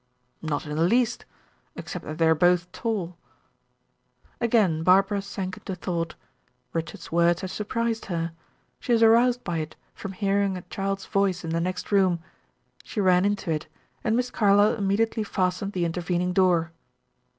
"Not in the least. Except that they are both tall." Again Barbara sank into thought. Richard's words had surprised her. She was aroused by it from hearing a child's voice in the next room. She ran into it, and Miss Carlyle immediately fastened the intervening door.